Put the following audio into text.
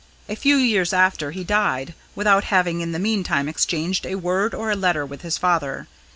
A few years after, he died, without having in the meantime exchanged a word or a letter with his father.